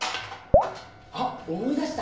あっ思い出した！